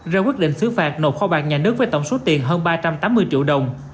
ra quyết định xứ phạt nộp kho bạc nhà nước với tổng số tiền hơn ba trăm tám mươi triệu đồng